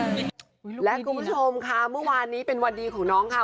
คุณผู้ชมค่ะเมื่อวานนี้เป็นวันดีของน้องค่ะ